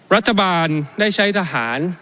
รัฐบาลได้ใช้ทหาร